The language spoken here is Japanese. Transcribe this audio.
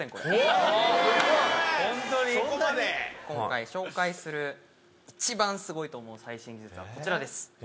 今回紹介する一番すごいと思う最新技術はこちらです。